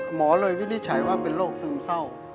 หมอเลยวินิจฉัยว่าเป็นโรคซึมเศร้า